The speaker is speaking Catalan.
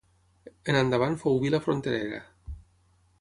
En endavant fou vila fronterera.